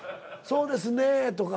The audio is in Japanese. そうですねぇ。